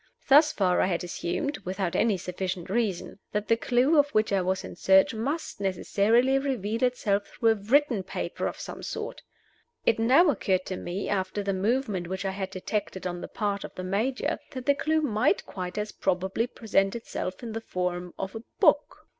Thus far I had assumed (without any sufficient reason) that the clew of which I was in search must necessarily reveal itself through a written paper of some sort. It now occurred to me after the movement which I had detected on the part of the Major that the clew might quite as probably present itself in the form of a book.